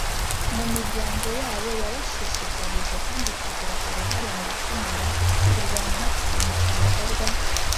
mu miryango yabo Yabashishikarije kandi kugira uruhare mu gukumira kurwanya no kwirinda ibikorwa